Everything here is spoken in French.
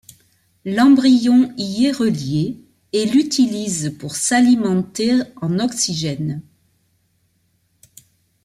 L'embryon y est relié et l'utilise pour s'alimenter en oxygène.